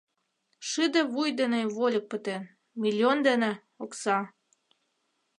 Шӱдӧ вуй дене вольык пытен, миллион дене — окса.